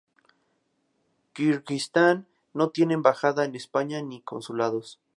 Kirguistán no tiene embajada en España ni consulados.